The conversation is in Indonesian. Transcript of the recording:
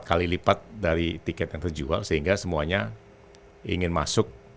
empat kali lipat dari tiket yang terjual sehingga semuanya ingin masuk